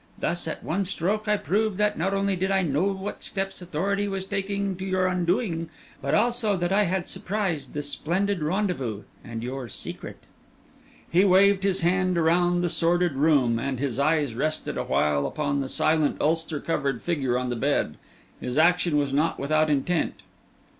Thus at one stroke I proved that not only did I know what steps authority was taking to your undoing, but also that I had surprised this splendid rendezvous and your secret." He waived his hand around the sordid room, and his eyes rested awhile upon the silent, ulster covered figure on the bed; his action was not without intent.